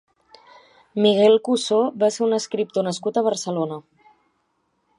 Miguel Cussó va ser un escriptor nascut a Barcelona.